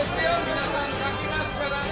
皆さん書きますからね。